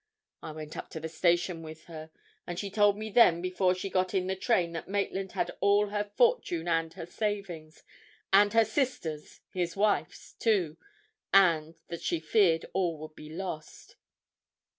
I went up to the station with her, and she told me then before she got in the train that Maitland had all her fortune and her savings, and her sister's, his wife's, too, and that she feared all would be lost."